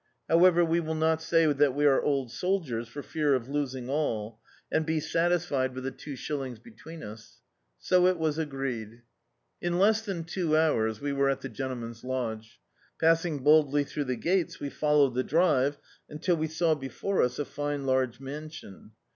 However, we will not say that we are old soldiers, for fear of losing all, and be satisfied with the two shillings between us." So it was agreed. In less than two hours we were at the gentleman's lodge. Passing boldly throu^ the gates we fol lowed the drive imtii we saw before us a fine large mansion.